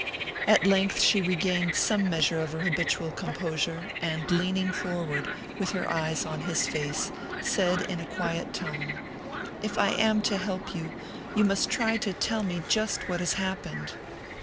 At length she regained some measure of her habitual composure, and leaning forward, with her eyes on his face, said in a quiet tone: "If I am to help you, you must try to tell me just what has happened."